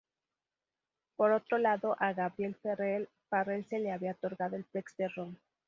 Por otro lado, a Gabriel Farrel, se le había otorgado el ‘’Prix de Rome’’.